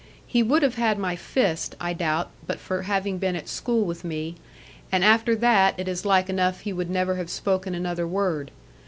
He would have had my fist, I doubt, but for having been at school with me; and after that it is like enough he would never have spoken another word.